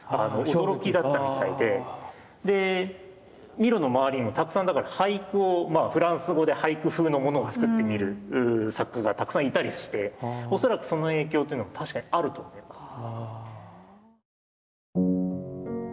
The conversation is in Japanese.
でミロの周りにもたくさんだから俳句をフランス語で俳句風のものを作ってみる作家がたくさんいたりして恐らくその影響というのも確かにあると思います。